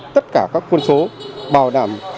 tất cả các quân số bảo đảm